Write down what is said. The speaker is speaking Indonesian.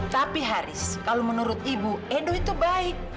tapi haris kalau menurut ibu edo itu baik